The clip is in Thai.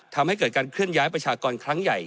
ทำให้เกิดการเคลื่อนย้ายประชากรครั้งใหญ่